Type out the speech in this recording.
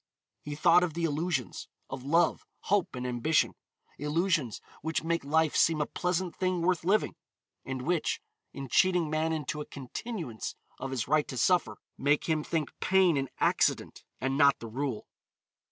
He thought of the illusions, of love, hope and ambition, illusions which make life seem a pleasant thing worth living, and which, in cheating man into a continuance of his right to suffer, make him think pain an accident and not the rule.